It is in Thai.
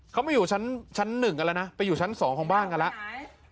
เขาไม่อยู่ชั้นชั้นหนึ่งกันแล้วนะไปอยู่ชั้นสองของบ้านกันแล้ว